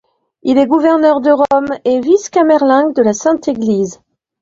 Il est gouverneur de Rome et vice-camerlingue de la Sainte-Église.